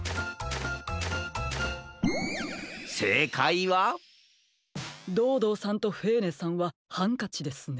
せいかいはドードーさんとフェーネさんはハンカチですね。